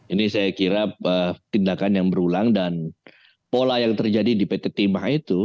ini saya kira tindakan yang berulang dan pola yang terjadi di pt timah itu